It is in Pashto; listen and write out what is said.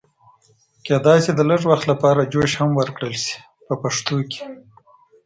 کېدای شي د لږ وخت لپاره جوش هم ورکړل شي په پښتو کې.